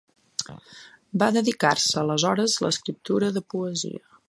Va dedicar-se aleshores l'escriptura de poesia.